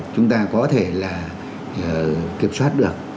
chúng ta có thể là kiểm soát được